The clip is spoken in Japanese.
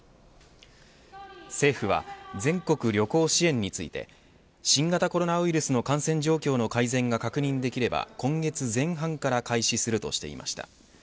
政府は全国旅行支援について新型コロナウイルスの感染状況の改善が確認できれば今月前半から開始するとしていました。